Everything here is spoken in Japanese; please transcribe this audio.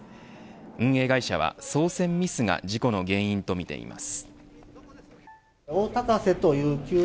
運営会社は操船ミスが事故の原因とみています。